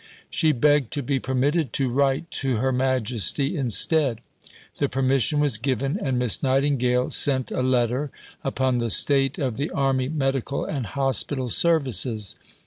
She begged to be permitted to write to Her Majesty instead. The permission was given, and Miss Nightingale sent a letter upon the state of the Army Medical and Hospital Services.